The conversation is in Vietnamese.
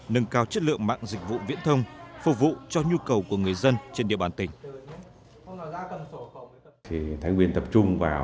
nâng cao chất lượng mạng dịch vụ viễn thông phục vụ cho nhu cầu của người dân trên địa bàn tỉnh